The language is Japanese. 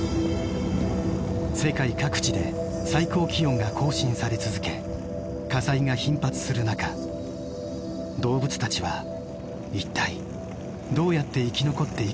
世界各地で最高気温が更新され続け火災が頻発する中動物たちは一体どうやって生き残っていけばいいのだろうか。